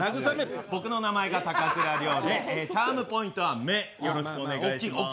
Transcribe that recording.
僕の名前が高倉陵でチャームポイントは目、よろしくお願いします。